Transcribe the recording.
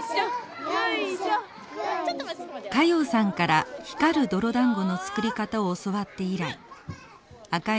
加用さんから光る泥だんごの作り方を教わって以来朱い